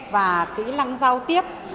và kỹ lăng giao tiếp